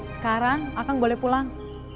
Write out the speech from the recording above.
sekarang akang boleh pulang